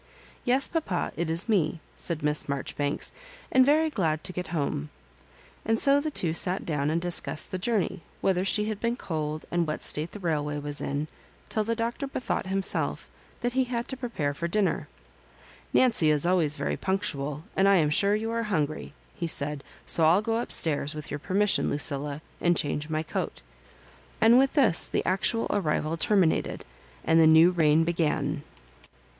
"Yes, papa, it is me," said Miss Marjoribanks, "and very glad to get home ;" and so the two sat down and discus^ the journey — whether she had been cold, and what stale the railway was in — till the Doctor bethought himself that he had to prepare for dinner. " Nancy is always very punctual, and I a n sure you are hungry," he said ;" so I'lljgo up stairs, with your permission, Lucilla^ arid change my coat;" and with this the actual arrival terminated, and the new reign began.